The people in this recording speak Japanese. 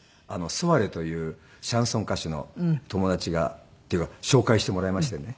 ソワレというシャンソン歌手の友達がっていうか紹介してもらいましてね。